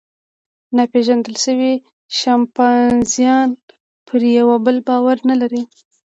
ناپېژندل شوي شامپانزیان پر یوه بل باور نهلري.